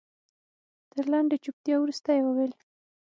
تر لنډې چوپتيا وروسته يې وويل.